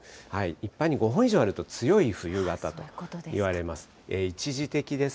一般に５本以上あると、強い冬型といわれます。